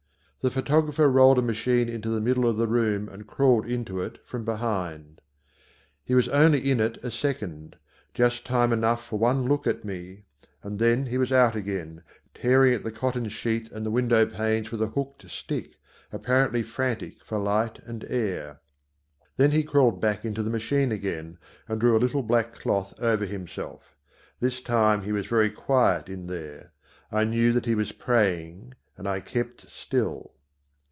The photographer rolled a machine into the middle of the room and crawled into it from behind. He was only in it a second, just time enough for one look at me, and then he was out again, tearing at the cotton sheet and the window panes with a hooked stick, apparently frantic for light and air. Then he crawled back into the machine again and drew a little black cloth over himself. This time he was very quiet in there. I knew that he was praying and I kept still.